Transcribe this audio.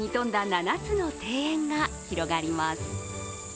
７つの庭園が広がります。